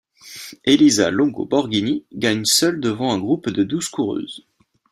Elisa Longo Borghini gagne seule devant un groupe de douze coureuses.